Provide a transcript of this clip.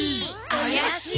怪しい。